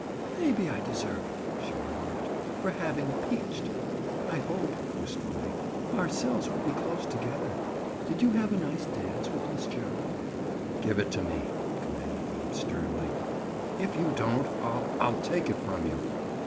"Maybe I deserve it," she remarked, "for having 'peached.' I hope," wistfully, "our cells will be close together. Did you have a nice dance with Miss Gerald?" "Give it to me," commanded Bob sternly. "If you don't, I'll—I'll take it from you."